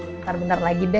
bentar bentar lagi deh